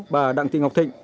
bà đặng tị ngọc thịnh